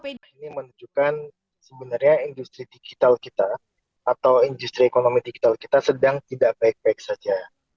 ini menunjukkan sebenarnya industri digital kita atau industri ekonomi digital kita sedang tidak baik baik saja